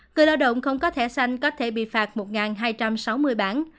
người lao động không có thẻ xanh có thể bị phạt một hai trăm sáu mươi bản